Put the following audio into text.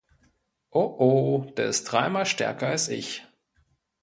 Oh oh, der ist dreimal stärker als ich!